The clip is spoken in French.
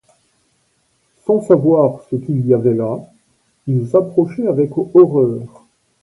Sans savoir ce qu’il y avait là, ils approchaient avec horreur.